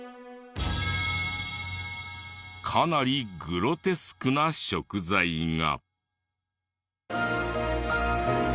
かなりグロテスクな食材が。